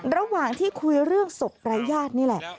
ระหว่างที่คุยเรื่องศพรายญาตินี่แหละ